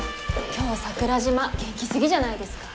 今日桜島元気すぎじゃないですか。